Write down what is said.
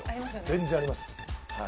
全然ありますはい。